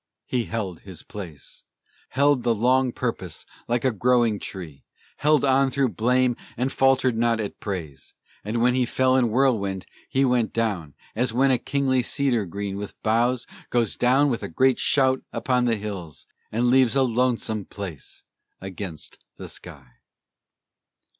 He held his place Held the long purpose like a growing tree Held on through blame and faltered not at praise. And when he fell in whirlwind, he went down As when a kingly cedar green with boughs Goes down with a great shout upon the hills, And leaves a lonesome place against the sky.